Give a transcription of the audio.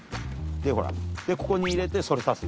でほらここに入れてそれ挿す。